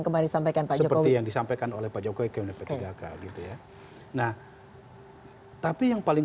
but i see you in berlin